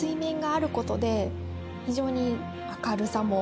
非常に。